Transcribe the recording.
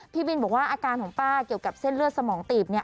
พี่บินบอกว่าอาการของป้าเกี่ยวกับเส้นเลือดสมองตีบเนี่ย